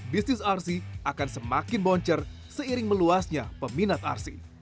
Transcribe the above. bisnis rc akan semakin boncer seiring meluasnya peminat rc